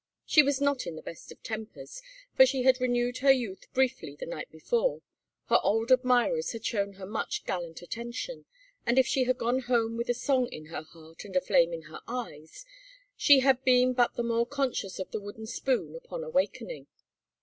She was not in the best of tempers, for she had renewed her youth briefly the night before, her old admirers had shown her much gallant attention, and if she had gone home with a song in her heart and a flame in her eyes, she had been but the more conscious of the wooden spoon upon awakening.